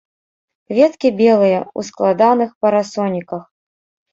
Кветкі белыя, у складаных парасоніках.